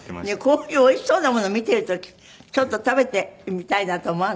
こういうおいしそうなものを見ている時ちょっと食べてみたいなと思わない？